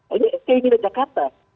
ini seperti ini di jakarta